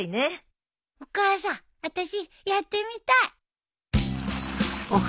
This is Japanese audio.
お母さんあたしやってみたい。